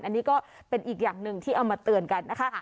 อันนี้ก็เป็นอีกอย่างหนึ่งที่เอามาเตือนกันนะคะ